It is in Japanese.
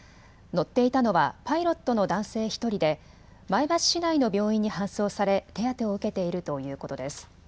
乗っていたのはパイロットの男性１人で前橋市内の病院に搬送され手当てを受けているということです。